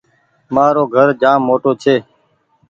مآرو گھر جآم موٽو ڇي